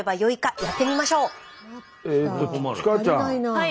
はい。